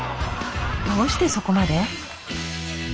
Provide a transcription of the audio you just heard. どうしてそこまで？